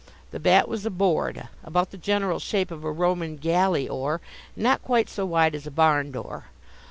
The bat was a board, about the general shape of a Roman galley oar and not quite so wide as a barn door.